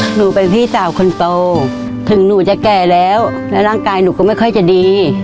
หนูเป็นพี่สาวคนโตถึงหนูจะแก่แล้วและร่างกายหนูก็ไม่ค่อยจะดี